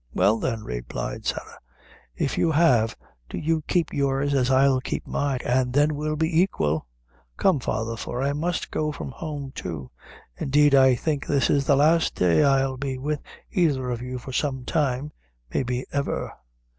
"Well, then," replied Sarah, "if you have, do you keep yours as I'll keep mine, and then we'll be aiquil. Come, father, for I must go from home too. Indeed I think this is the last day I'll be with either of you for some time maybe ever."